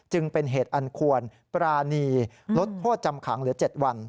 จึงเป็นเหตุอันควรปรานีลดโทษจำขังเหลือ๗วัน